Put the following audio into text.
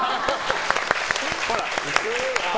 ほら。